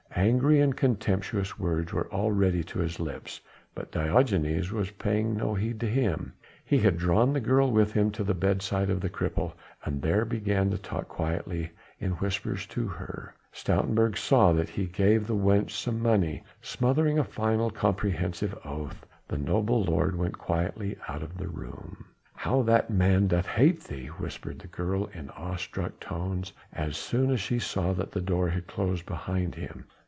Angry and contemptuous words were all ready to his lips, but Diogenes was paying no heed to him; he had drawn the girl with him to the bedside of the cripple, and there began talking quietly in whispers to her. Stoutenburg saw that he gave the wench some money. Smothering a final, comprehensive oath the noble lord went quietly out of the room. "How that man doth hate thee," whispered the girl in awe struck tones, as soon as she saw that the door had closed behind him.